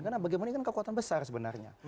karena bagaimana ini kan kekuatan besar sebenarnya